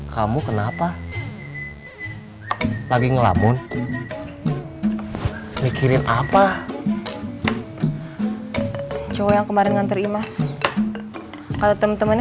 kamu kenapa lagi ngelamun mikirin apa cowok yang kemarin nganter imas kalau temen temennya